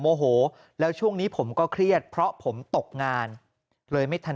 โมโหแล้วช่วงนี้ผมก็เครียดเพราะผมตกงานเลยไม่ทัน